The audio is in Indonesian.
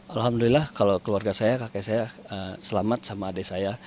alhamdulillah kalau keluarga saya kakek saya selamat sama adik saya